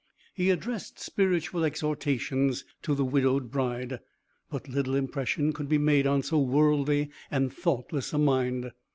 He addressed spiritual exhortations to the widowed bride, but little impression could be made on so worldly and thoughtless a mind.